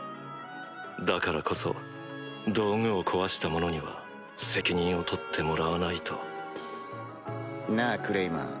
だからこそ道具を壊した者には責任を取ってもらわないと。なぁクレイマン。